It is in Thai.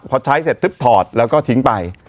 พอใช้เสร็จปุ๊บถอดแล้วก็ทิ้งไป